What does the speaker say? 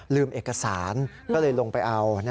เอกสารก็เลยลงไปเอา